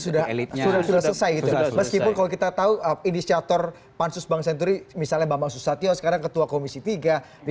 di elitnya sudah selesai